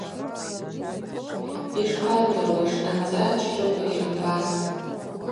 Йшпардыруаш – анцӏра чрыкъв гьрымбастӏ.